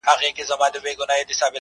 هلته ليري يوه ښار كي حكمران وو -